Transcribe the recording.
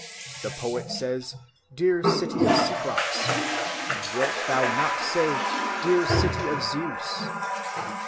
The poet says, Dear City of Cecrops; and wilt thou not say, Dear City of Zeus?"